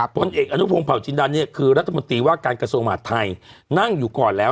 พลเอกอนุพงศาวจินดาเนี่ยคือรัฐมนตรีว่าการกระทรวงมหาดไทยนั่งอยู่ก่อนแล้ว